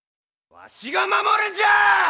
わしが守るんじゃあ！